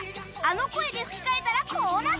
あの声で吹き替えたらこうなった